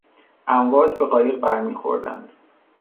امواج به قایق برمیخوردند.